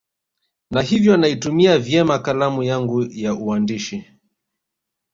na hivyo naitumia vyema kalamu yangu ya uandishi